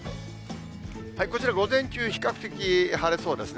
こちら、午前中、比較的晴れそうですね。